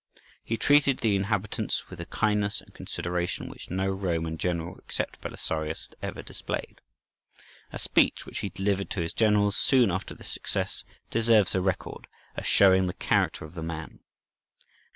He treated the inhabitants with a kindness and consideration which no Roman general, except Belisarius, had ever displayed. A speech which he delivered to his generals soon after this success deserves a record, as showing the character of the man.